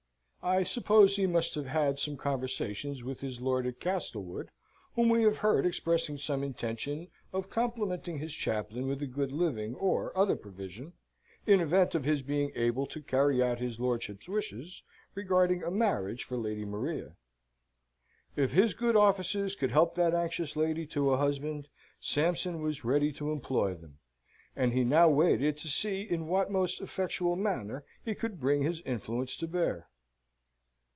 I suppose he must have had some conversations with his lord at Castlewood, whom we have heard expressing some intention of complimenting his chaplain with a good living or other provision, in event of his being able to carry out his lordship's wishes regarding a marriage for Lady Maria. If his good offices could help that anxious lady to a husband, Sampson was ready to employ them: and he now waited to see in what most effectual manner he could bring his influence to bear.